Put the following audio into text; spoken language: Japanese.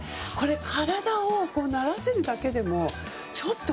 体を慣らせるだけでも。